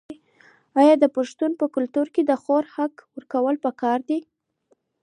آیا د پښتنو په کلتور کې د خور حق ورکول پکار نه دي؟